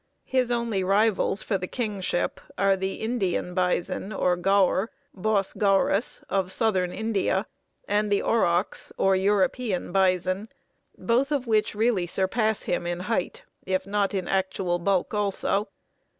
His only rivals for the kingship are the Indian bison, or gaur (Bos gaurus), of Southern India, and the aurochs, or European bison, both of which really surpass him in height, if not in actual balk also.